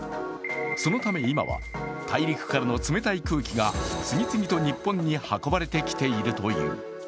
そのため今は、大陸からの冷たい空気が次々と日本に運ばれてきているという。